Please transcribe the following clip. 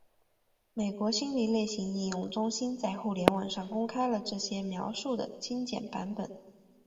美国心理类型应用中心在互联网上公开了这些描述的精简版本。